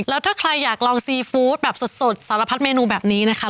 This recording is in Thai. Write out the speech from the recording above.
แล้วถ้าใครอยากลองซีฟู้ดแบบสดสารพัดเมนูแบบนี้นะคะ